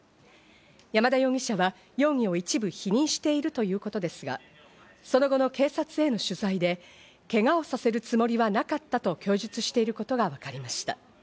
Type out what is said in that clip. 山田容疑者は容疑を一部否認しているということですが、その後の警察への取材でけがをさせるつもりはなかったと供述していることがわかりました。